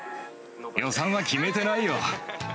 予算は決めてないよ。